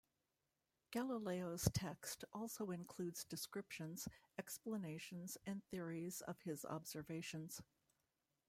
Galileo's text also includes descriptions, explanations, and theories of his observations.